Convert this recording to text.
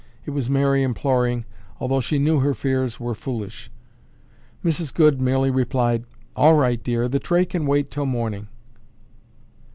It was Mary imploring, although she knew her fears were foolish. Mrs. Goode merely replied, "All right, dear. The tray can wait until morning."